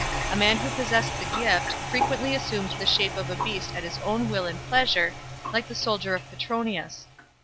A man who possessed the gift, frequently assumed the shape of a beast at his own will and pleasure, like the soldier in Petronius.